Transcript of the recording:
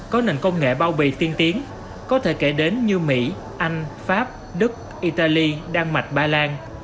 có nền công nghệ bao bì tiên tiến có thể kể đến như mỹ anh pháp đức italy đan mạch ba lan